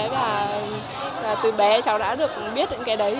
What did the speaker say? và từ bé cháu đã được biết những cái đấy